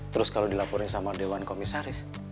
terus kalau dilaporin sama dewan komisaris